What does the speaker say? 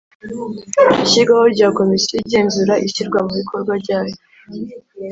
ishyirwaho rya komisiyo igenzura ishyirwa mu bikorwa ryayo